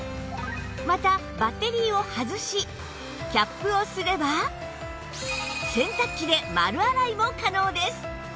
またバッテリーを外しキャップをすれば洗濯機で丸洗いも可能です